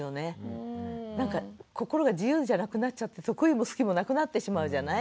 なんか心が自由じゃなくなっちゃって得意も好きもなくなってしまうじゃない。